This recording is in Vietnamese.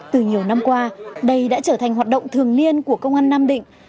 từ nhiều năm qua đây đã trở thành hoạt động thường niên của công an nam định